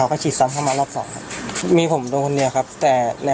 แล้วมันไหม้เยอะไงครับทุกคนพี่ก็ตกใจ